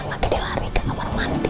nanti dia lari ke kamar mandi